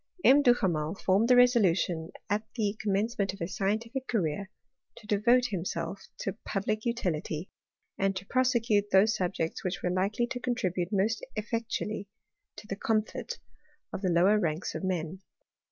M. Duhamel formed the resolution at the com mencement of his scientific career to devote himself VOL. I. u 2d0 BISTORT or CHEMISTRY. to public utility, and to prosecute those sobjects wfaicb were likely to contribute most effectually to the com fort of the lower ranks of men.